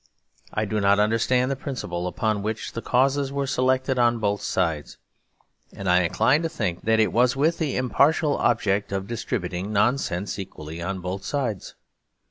I do not understand the principle upon which the causes were selected on both sides; and I incline to think that it was with the impartial object of distributing nonsense equally on both sides.